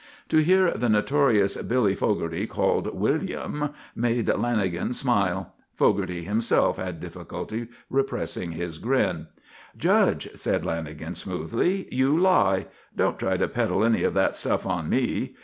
To hear the notorious "Billy" Fogarty called William made Lanagan smile. Fogarty himself had difficulty repressing his grin. "Judge," said Lanagan, smoothly, "you lie. Don't try to peddle any of that stuff on me.